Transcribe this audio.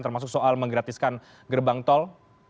termasuk soal menggratiskan gerbang tol